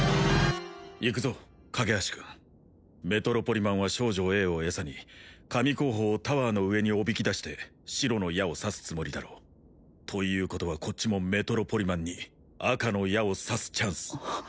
行くぞ架橋君メトロポリマンは少女Ａをエサに神候補をタワーの上におびき出して白の矢を刺すつもりだろうということはこっちもメトロポリマンに赤の矢を刺すチャンス